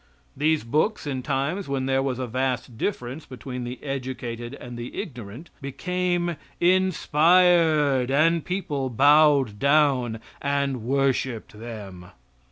These books, in times when there was a vast difference between the educated and the ignorant, became inspired and people bowed down and worshiped them.